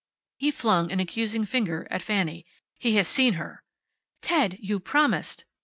He flung an accusing finger at Fanny. "He has seen her." "Ted! You promised."